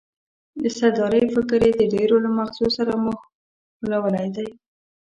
د سردارۍ فکر یې د ډېرو له مغزو سره مښلولی دی.